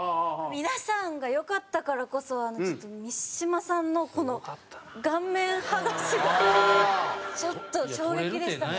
皆さんがよかったからこそちょっと三島さんのこの顔面はがしがちょっと衝撃でしたね。